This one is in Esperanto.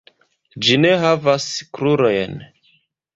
Ĝi ne havas krurojn.